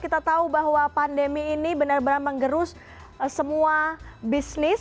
kita tahu bahwa pandemi ini benar benar menggerus semua bisnis